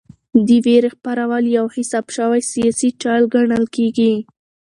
د وېرې خپرول یو حساب شوی سیاسي چل ګڼل کېږي.